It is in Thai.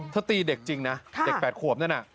เธอตีเด็กจริงนะเด็กแปดขวมนั่น